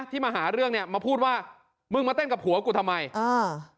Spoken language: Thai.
ที่มาหาเรื่องเนี้ยมาพูดว่ามึงมาเต้นกับผัวกูทำไมอ่า